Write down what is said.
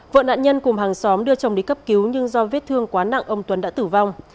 vợ nạn nhân cùng hàng xóm đưa chồng đi cấp cứu nhưng do vết thương quá nặng ông tuấn đã tử vong